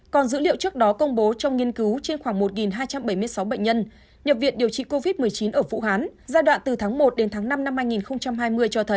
còn dữ liệu trước đó công bố trong nghiên cứu trên khoảng một hai trăm bảy mươi sáu bệnh nhân nhập viện điều trị covid một mươi chín ở vũ hán giai đoạn từ tháng một đến tháng năm năm hai nghìn hai mươi cho thấy